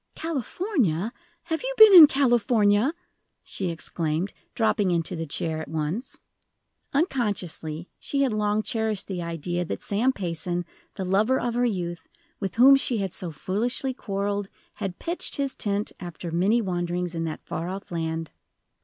"California! Have you been in California?" she exclaimed, dropping into the chair at once. Unconsciously, she had long cherished the idea that Sam Payson, the lover of her youth, with whom she had so foolishly quarreled, had pitched his tent, after many wanderings, in that far off land.